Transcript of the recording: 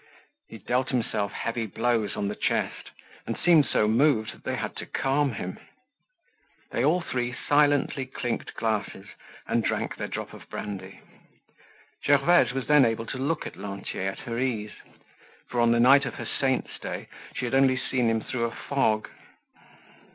He dealt himself heavy blows on the chest, and seemed so moved that they had to calm him. They all three silently clinked glasses, and drank their drop of brandy. Gervaise was then able to look at Lantier at her ease; for on the night of her saint's day, she had only seen him through a fog.